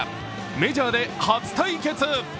メジャーで初対決。